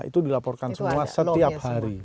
itu dilaporkan semua setiap hari